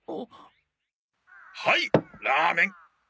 はいラーメン！